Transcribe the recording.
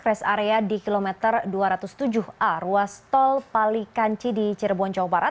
rest area di kilometer dua ratus tujuh a ruas tol palikanci di cirebon jawa barat